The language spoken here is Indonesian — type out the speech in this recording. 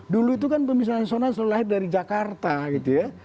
dulu itu kan pemisah nasional selalu lahir dari jakarta gitu ya